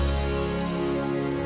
neng bisa menggantikan